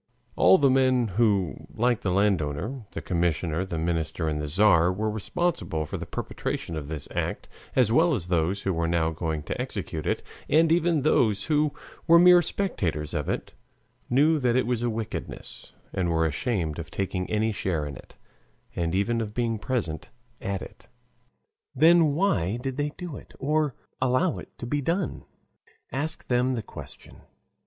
All the men who, like the landowner, the commissioner, the minister, and the Tzar, were responsible for the perpetration of this act, as well as those who were now going to execute it, and even those who were mere spectators of it, knew that it was a wickedness, and were ashamed of taking any share in it, and even of being present at it. Then why did they do it, or allow it to be done? Ask them the question.